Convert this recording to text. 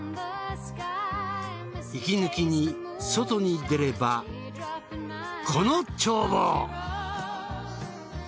息抜きに外に出ればこの眺望。